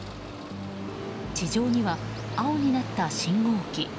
地上には青になった信号機。